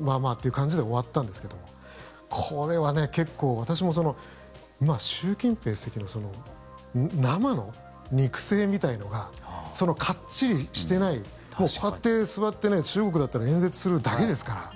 まあまあという感じで終わったんですけどこれは結構、私も習近平主席の生の肉声みたいのがかっちりしてないもう、こうやって座って中国だったら演説するだけですから。